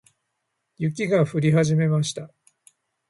雪が降り始めました。